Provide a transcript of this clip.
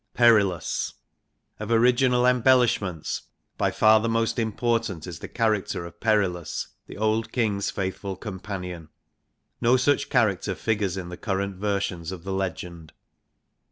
Perillus. Of original embellishments, by far the most I important is the character of Perillus, the old Kimj^J^jthful L companion. No such character figures in the current versions oTTnelegend.